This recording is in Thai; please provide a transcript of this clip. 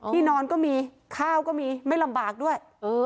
นอนก็มีข้าวก็มีไม่ลำบากด้วย